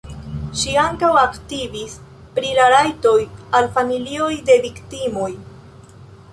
Ŝi ankaŭ aktivis pri la rajtoj al familioj de viktimoj.